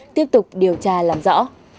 tiếp tục điều tra làm rõ